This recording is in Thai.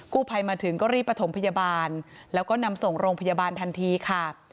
ภัยมาถึงก็รีบประถมพยาบาลแล้วก็นำส่งโรงพยาบาลทันทีค่ะ